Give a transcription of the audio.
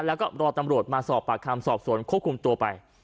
แล้วก็รอตำรวจมาสอบปากคำสอบสวนควบคุมตัวไป